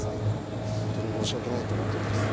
本当に申し訳ないと思ってます。